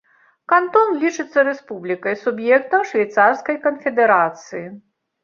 Кантон лічыцца рэспублікай, суб'ектам швейцарскай канфедэрацыі.